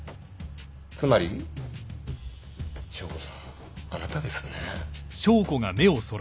つまり翔子さんあなたですね。